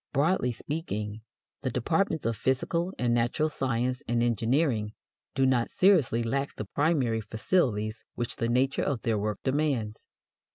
Broadly speaking, the departments of physical and natural science and engineering do not seriously lack the primary facilities which the nature of their work demands.